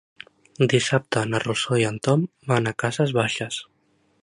Dissabte na Rosó i en Tom van a Cases Baixes.